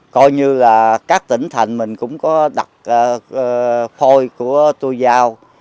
coi như là các tỉnh thành mình cũng có đặt phôi của tui giao